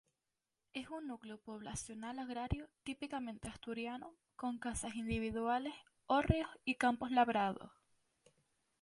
Es un núcleo poblacional agrario típicamente asturiano, con casas individuales, hórreos y campos labrados.